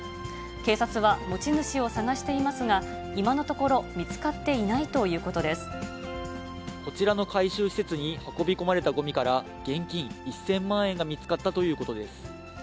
警察は持ち主を捜していますが、今のところ見つかっていないといこちらの回収施設に運び込まれたごみから、現金１０００万円が見つかったということです。